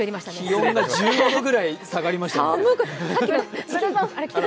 気温が１５度くらい下がりましたね。